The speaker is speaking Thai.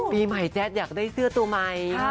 ปีใหม่แจ๊ดอยากได้เสื้อตัวใหม่